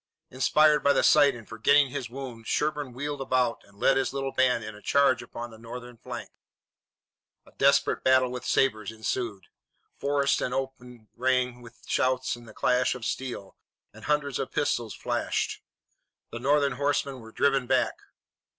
Inspired by the sight and forgetting his wound, Sherburne wheeled about and led his little band in a charge upon the Northern flank. A desperate battle with sabres ensued. Forest and open rang with shouts and the clash of steel, and hundreds of pistols flashed. The Northern horsemen were driven back.